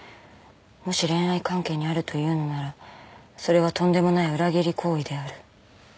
「もし恋愛関係にあるというのならそれはとんでもない裏切り行為である」